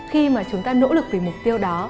khi mà chúng ta nỗ lực vì mục tiêu đó